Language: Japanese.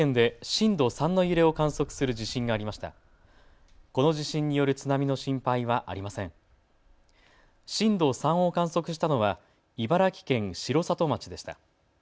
震度３を観測したのは茨城県城里町でした。